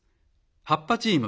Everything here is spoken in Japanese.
葉っぱチーム。